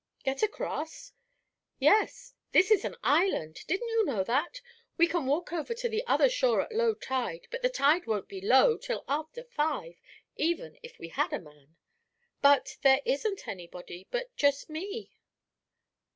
"Get across?" "Yes; this is an island. Didn't you know that? We can walk over to the other shore at low tide; but the tide won't be low till after five, even if we had a man. But there isn't anybody but just me."